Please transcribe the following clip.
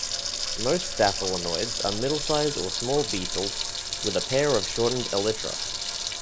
Most staphylinoids are middle-sized or small beetles with a pair of shortened elytra.